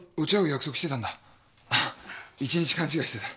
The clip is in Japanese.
一日勘違いしてた。